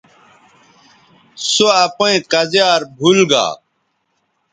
سو اپئیں کزیار بھول گا